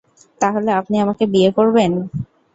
তাহলে আপনি আমাকে বিয়ে করবেন?